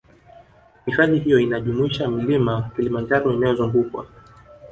Hifadhi hiyo inajumuisha Mlima Kilimanjaro inayozungukwa